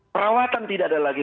perawatan tidak ada lagi